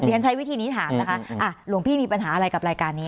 ฉันใช้วิธีนี้ถามนะคะหลวงพี่มีปัญหาอะไรกับรายการนี้